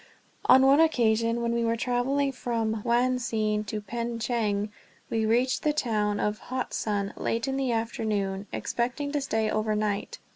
On one occasion, when we were traveling from Wuanhsien to Pengcheng, we reached the town of Hotsun late in the afternoon, expecting to stay over night.